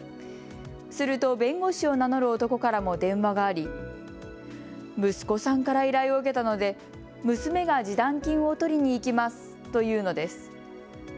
すると弁護士を名乗る男からも電話があり、息子さんから依頼を受けたので娘が示談金を取りに行きますと言うのです。